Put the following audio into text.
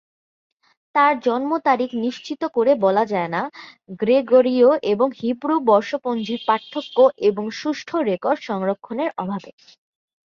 তার জন্ম তারিখ নিশ্চিত করে বলা যায়না গ্রেগরীয় এবং হিব্রু বর্ষপঞ্জির পার্থক্য এবং সুষ্ঠু রেকর্ড সংরক্ষণের অভাবে।